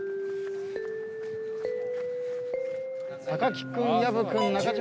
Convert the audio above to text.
木君薮君中島